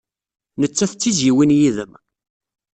Nettat d tizzyiwin yid-m.